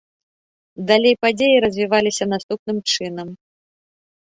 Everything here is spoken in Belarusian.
Далей падзеі развіваліся наступным чынам.